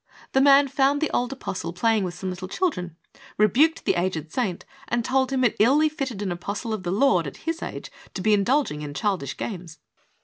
The man found the old apostle playing with some little children, rebuked the aged saint and told him it illy fitted an apostle of the Lord, at his age, to be indulging in childish games.